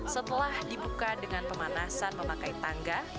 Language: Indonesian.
setelah dibuka dengan pemanasan memakai tangga